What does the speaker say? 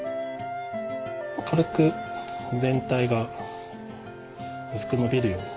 軽く全体がうすくのびるように。